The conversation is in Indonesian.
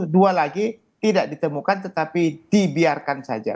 dua lagi tidak ditemukan tetapi dibiarkan saja